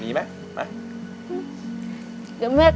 เดี๋ยวเกมเตี้ยเริ่มแล้วค่ะ